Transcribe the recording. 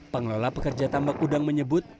pengelola pekerja tambak udang menyebut